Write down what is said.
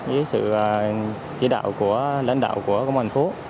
với sự chỉ đạo của lãnh đạo của công an thành phố